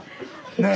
ねえ。